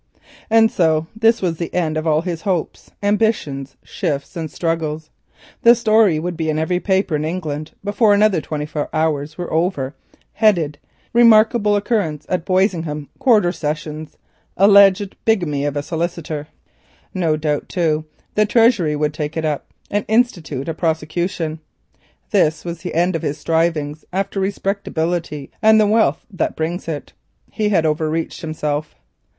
And so this was the end of all his hopes, ambitions, shifts and struggles! The story would be in every paper in England before another twenty four hours were over, headed, "Remarkable occurrence at Boisingham Quarter Sessions.—Alleged bigamy of a solicitor." No doubt, too, the Treasury would take it up and institute a prosecution. This was the end of his strivings after respectability and the wealth that brings it. He had overreached himself.